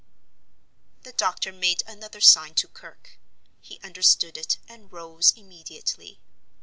The doctor made another sign to Kirke. He understood it, and rose immediately.